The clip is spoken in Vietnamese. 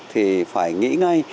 thì phải nghĩ ngay